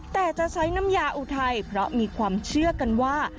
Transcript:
แต่จะใช้น้ำยาอุทัยเพราะมีความเชื่อกันว่า